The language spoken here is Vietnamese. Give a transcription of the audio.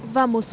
và một số tỉnh